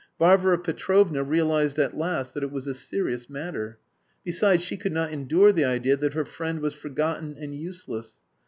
Varvara Petrovna realised at last that it was a serious matter. Besides, she could not endure the idea that her friend was forgotten and useless.